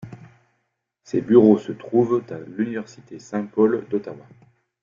Ses bureaux se trouvent à l'Université Saint-Paul d'Ottawa.